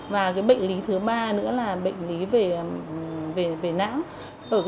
và bệnh lý thứ ba nữa là bệnh lý về não